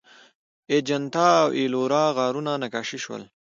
اجنتا او ایلورا غارونه نقاشي شول.